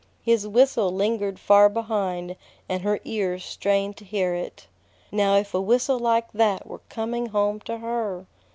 His whistle lingered far behind, and her ears strained to hear it. Now if a whistle like that were coming home to her!